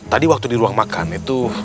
tadi waktu di ruang makan itu